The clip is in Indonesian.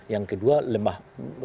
yang kedua lemah